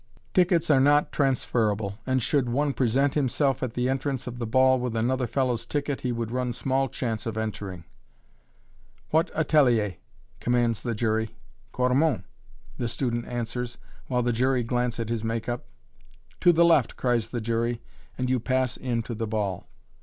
Tickets are not transferable, and should one present himself at the entrance of the ball with another fellow's ticket, he would run small chance of entering. "What atelier?" commands the jury "Cormon." The student answers, while the jury glance at his makeup. "To the left!" cries the jury, and you pass in to the ball.